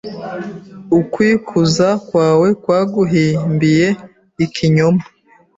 Ukwikuza kwawe kwaguhimbiye ikinyoma